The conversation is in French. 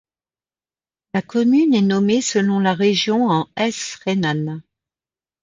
La Commune est nommée selon la région en Hesse rhénane.